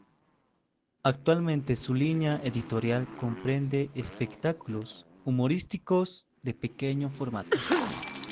Actualmente su línea editorial comprende espectáculos humorísticos de pequeño formato.